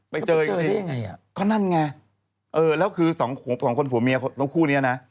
ไปเจออยู่ที่นี่ก็นั่นไงแล้วคือ๒คนผัวเมียต้องคู่นี้นะ